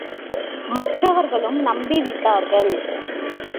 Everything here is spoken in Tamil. மற்றவர்களும் நம்பி விட்டார்கள்.